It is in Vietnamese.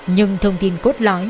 nhưng thông tin cốt lõi